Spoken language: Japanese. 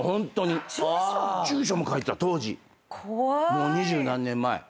もう二十何年前。